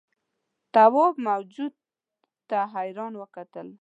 تواب موجود ته حیران وکتل.